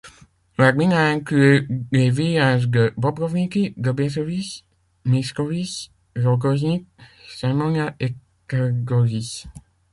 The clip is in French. La gmina inclut les villages de Bobrowniki, Dobieszowice, Myszkowice, Rogoźnik, Siemonia et Twardowice.